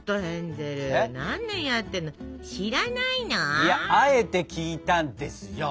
いやあえて聞いたんですよ。